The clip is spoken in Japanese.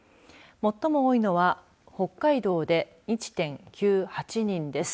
最も多いのは北海道で１．９８人です。